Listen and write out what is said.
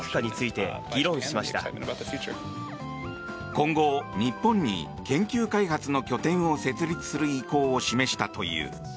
今後、日本に研究開発の拠点を設立する意向を示したという。